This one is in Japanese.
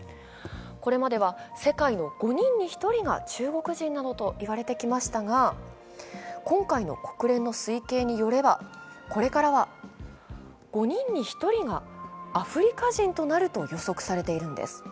これまでは世界の５人に１人が中国人などといわれてきましたが、今回の国連の推計によればこれからは５人に１人がアフリカ人となると予測されているんです。